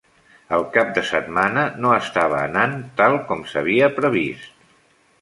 El cap de setmana no està anant tal com s'havia previst.